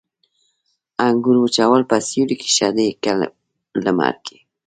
د انګورو وچول په سیوري کې ښه دي که لمر کې؟